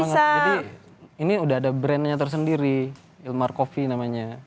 jadi ini udah ada brandnya tersendiri ilmar coffee namanya